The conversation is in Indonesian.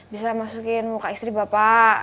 bisa masukin muka istri bapak